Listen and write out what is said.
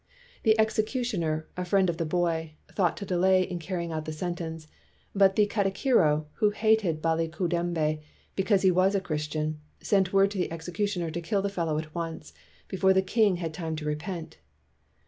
The executioner, a friend of the boy, thought to delay in carrying out the sen tence; but the katikiro, who hated Baliku dembe because he was a Christian, sent word to the executioner to kill the fellow at once, before the king had time to repent.